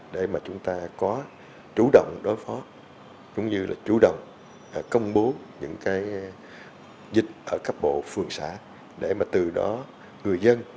để mà chúng ta có chủ động đối phó cũng như là chủ động công bố những cái dịch ở cấp bộ phường xã để mà từ đó người dân